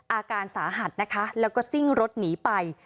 อาการสาหัสนะคะแล้วก็ซิ่งรถหนีไป